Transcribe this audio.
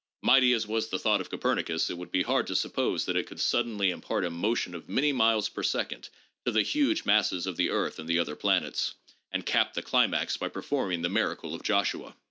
Mighty as was the thought of Copernicus, it would be hard to suppose that it could suddenly impart a motion of many miles per second to the huge masses of the earth and the other planets, and cap the climax by performing the miracle of Joshua.